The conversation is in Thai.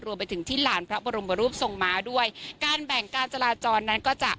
รวมไปถึงที่หลานพระบรมรูปทรงม้าด้วยการแบ่งการจราจรนั้นก็จะ